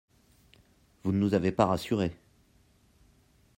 Vous ne nous avez pas rassurés.